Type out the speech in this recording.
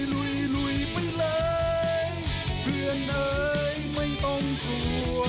ลุยไปเลยเพื่อนนายไม่ต้องกลัว